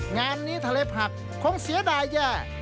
งานนี้ทะเลผักคงเสียดายแย่